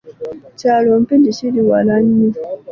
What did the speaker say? Ekyalo Mpigi kiri wala nnyo.